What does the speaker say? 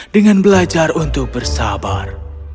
dengan belajar untuk bersabar